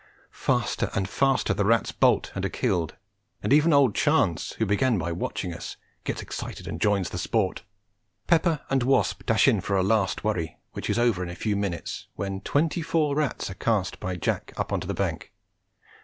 Faster and faster the rats bolt and are killed, and even old Chance, who began by watching us, gets excited and joins the sport. Pepper and Wasp dash in for a last worry, which is over in a few minutes, when twenty four rats are cast by Jack up on to the bank.